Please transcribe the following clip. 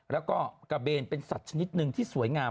แล้วก็กระเบนเป็นสัตว์ชนิดหนึ่งที่สวยงาม